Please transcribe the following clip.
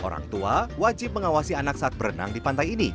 orang tua wajib mengawasi anak saat berenang di pantai ini